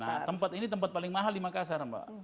nah tempat ini tempat paling mahal di makassar mbak